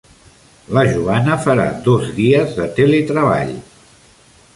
La Joana farà dos dies de teletreball.